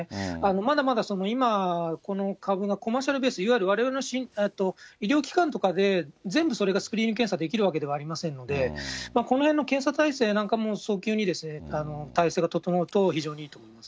まだまだ今、この株がコマーシャルベース、いわゆるわれわれの医療機関とかで全部それが、スクリーニング検査ができるわけではありませんので、このへんの検査体制なんかも、早急に体制が整うと、非常にいいということです。